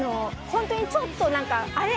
本当にちょっとあれ？